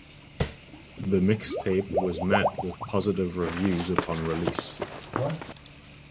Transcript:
The mixtape was met with positive reviews upon release.